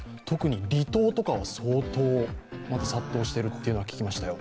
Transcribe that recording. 特に離島とかは相当また殺到しているというのは聞きましたよ。